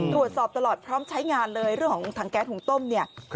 ตรวจสอบตลอดพร้อมใช้งานเลยเรื่องของถังแก๊สหุงต้มเนี่ย